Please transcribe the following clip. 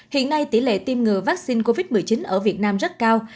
hiện nay tỷ lệ tiêm ngừa vaccine covid một mươi chín ở việt nam rất cao